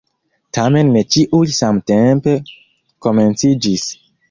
Tamen ne ĉiuj samtempe komenciĝis!